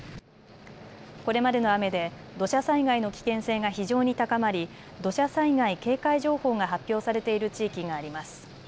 これまでの雨で土砂災害の危険性が非常に高まり土砂災害警戒情報が発表されている地域があります。